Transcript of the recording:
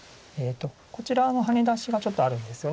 こちらのハネ出しがちょっとあるんですよね。